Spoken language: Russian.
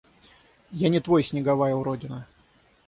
Я не твой, снеговая уродина.